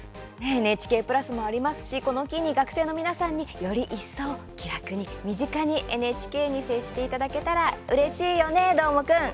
ＮＨＫプラスもありますしこの機に、学生の皆さんにより一層、気楽に身近にＮＨＫに接していただけたらうれしいよね、どーもくん。